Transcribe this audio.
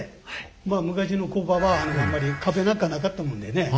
昔の工場はあんまり壁なんかなかったもんでね